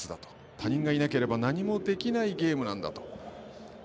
他人がいなければ何もできないゲームなんだと。